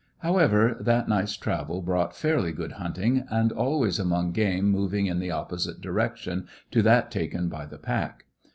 However, that night's travel brought fairly good hunting, and always among game moving in the opposite direction to that taken by the pack.